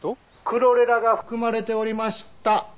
クロレラが含まれておりました。